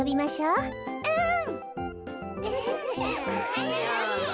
うん。